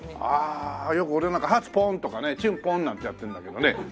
ああよく俺なんか「ハツポン」とかね「チュンポン」なんてやってんだけどね